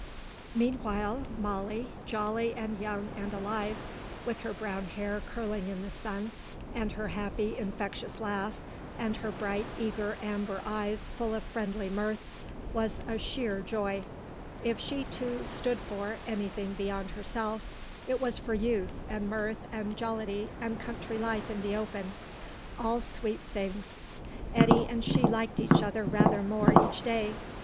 Meanwhile Molly, jolly and young and alive, with her brown hair curling in the sun, and her happy infectious laugh and her bright, eager, amber eyes full of friendly mirth, was a sheer joy. If she too "stood for" anything beyond herself, it was for youth and mirth and jollity and country life in the open; all sweet things. Eddy and she liked each other rather more each day.